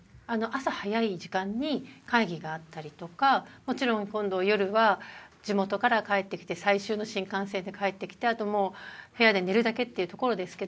もちろん今度夜は地元から帰ってきて最終の新幹線で帰ってきてあともう部屋で寝るだけっていうところですけど。